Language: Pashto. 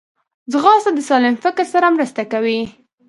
ځغاسته د سالم فکر سره مرسته کوي